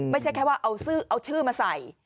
ไม่ใช่แค่ว่าเอาชื่อมาใส่